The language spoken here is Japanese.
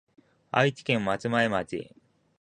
愛媛県松前町